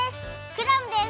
クラムです！